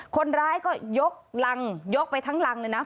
คนร้ายก็ยกรังยกไปทั้งรังเลยนะ